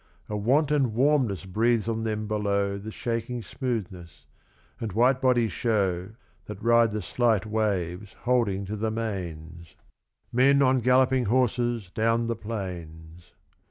A wanton warmness breathes on them below The shaking smoothness, and white bodies show That ride the slight waves holding to the manes ; Men on galloping horses down the plains.